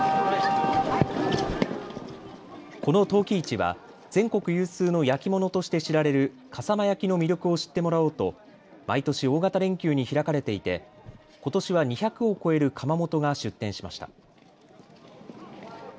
この陶器市は全国有数の焼き物として知られる笠間焼の魅力を知ってもらおうと毎年、大型連休に開かれていて、ことしは２００を超える窯元が出店しました。